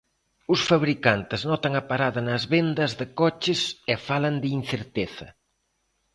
Os fabricantes notan a parada nas vendas de coches e falan de incerteza.